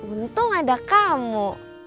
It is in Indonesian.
untung ada kamu